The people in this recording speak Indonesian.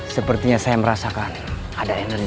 sepertinya saya merasakan ada energi